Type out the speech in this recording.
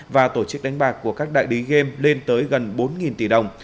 và tổ chức đánh bạc của các đại lý game lên tới gần bốn tỷ đồng